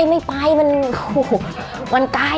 ไม่ไปมัน